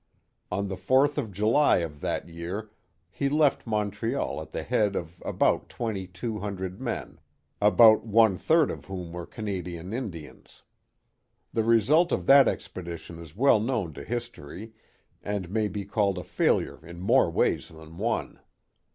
On the 4th of July of that year he left Montreal at the head of about twenty two hundred men, about one third of whom were Canadian Indians. The result of that expedition is well known to his tory, and may be called a failure in more ways than one.